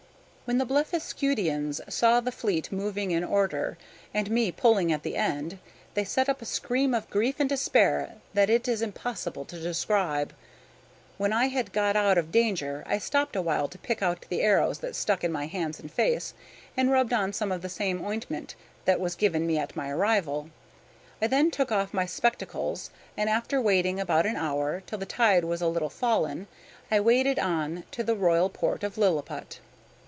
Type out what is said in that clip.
When the Blefuscudians saw the fleet moving in order, and me pulling at the end, they set up a scream of grief and despair that it is impossible to describe. When I had got out of danger I stopped awhile to pick out the arrows that stuck in my hands and face, and rubbed on some of the same ointment that was given me at my arrival. I then took off my spectacles, and after waiting about an hour, till the tide was a little fallen, I waded on to the royal port of Lilliput.